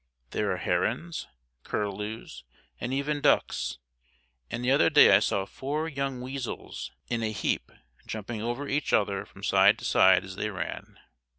There are herons, curlews, and even ducks; and the other day I saw four young weasels in a heap, jumping over each other from side to side as they ran.